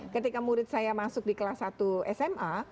ketika murid saya masuk di kelas satu sma